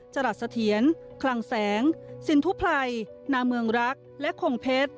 จรัสเสถียรคลังแสงสินทุไพรนาเมืองรักและคงเพชร